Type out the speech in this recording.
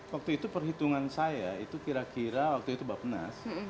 waktu itu perhitungan saya waktu itu bapak nas